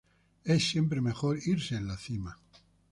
Es siempre mejor irse en la cima.